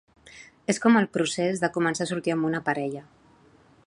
És com el procés de començar a sortir amb una parella.